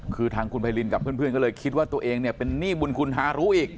คือทางคุณไพรินกับเพื่อนก็เลยคิดว่าตัวเองเนี่ยเป็นหนี้บุญคุณฮารุอีก